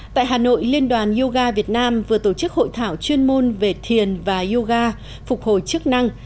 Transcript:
tại hà nội liên đoàn yoga việt nam vừa tổ chức hội thảo chuyên môn về thiền và yoga phục hồi chức năng